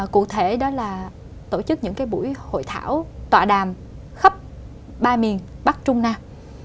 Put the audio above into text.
cụ thể đó là tổ chức những buổi hội thảo tọa đàm khắp ba miền bắc trung nam